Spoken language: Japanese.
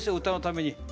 歌のために。